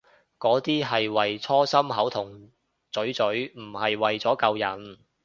嗰啲係為搓心口同嘴嘴，唔係為咗救人